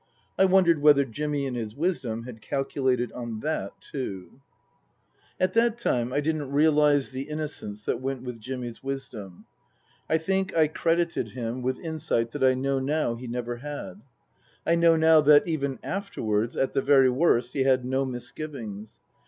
I wondered whether Jimmy, in his wisdom, had calculated on that, too ? At that time I didn't realize the innocence that went with Jimmy's wisdom. I think I credited him with insight that I know now he never had. I know now that, even afterwards at the very worst he had no mis givings.